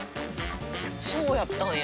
そうやったんや。